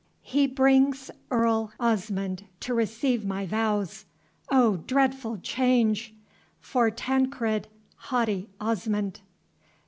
He brings Earl Osmond to receive my vows. O dreadful change! for Tancred, haughty Osmond.